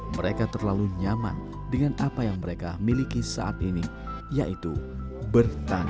mereka terlalu nyaman dengan apa yang mereka miliki saat ini yaitu bertani